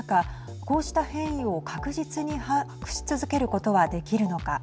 こうした変異を確実に把握し続けることはできるのか。